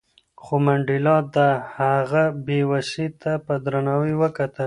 خو منډېلا د هغه بې وسۍ ته په درناوي وکتل.